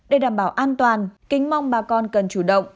để đảm bảo an toàn kính mong bà con cần chủ động